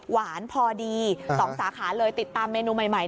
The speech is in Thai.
พอดี๒สาขาเลยติดตามเมนูใหม่